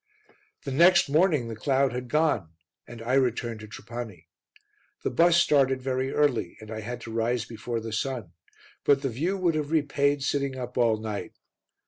The next morning the cloud had gone and I returned to Trapani. The bus started very early and I had to rise before the sun, but the view would have repaid sitting up all night.